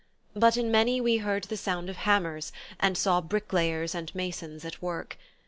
But in many we heard the sound of hammers, and saw brick layers and masons at work.